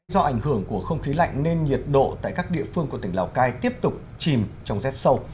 do ảnh hưởng của không khí lạnh nên nhiệt độ tại các địa phương của tỉnh lào cai tiếp tục chìm trong rét sâu